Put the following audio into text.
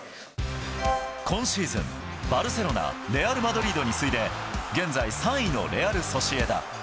今シーズン、バルセロナ、レアル・マドリードに次いで、現在、３位のレアル・ソシエダ。